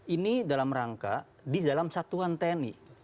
ini dalam rangka di dalam satuan tni